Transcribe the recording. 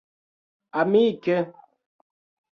amike